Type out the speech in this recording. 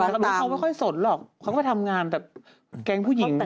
เขาไม่ค่อยสดหรอกเขาก็ทำงานแบบแกงผู้หญิง